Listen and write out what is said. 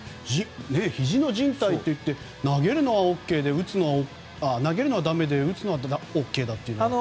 ひじのじん帯で投げるのはだめで打つのはＯＫだというのは。